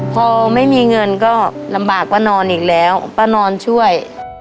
พอไม่มีเงินก็ลำบากป้านอนอีกแล้วป้านอนช่วย